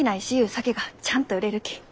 酒がちゃんと売れるき。